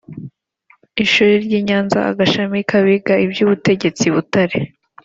ishuri ry i Nyanza n agashami k abiga iby ubutegetsi i Butare